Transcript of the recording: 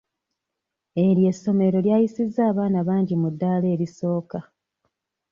Eryo essomero lyayisizza abaana bangi mu ddaala erisooka.